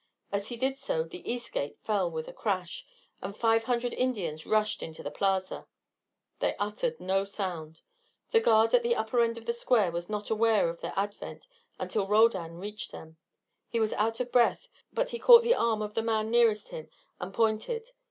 As he did so the east gate fell with a crash, and five hundred Indians rushed into the plaza. They uttered no sound. The guard at the upper end of the square was not aware of their advent until Roldan reached them. He was out of breath, but he caught the arm of the man nearest him and pointed.